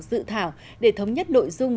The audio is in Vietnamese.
dự thảo để thống nhất nội dung